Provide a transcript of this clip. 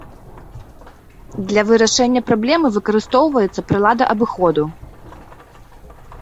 Для вырашэння праблемы выкарыстоўваецца прылада абыходу.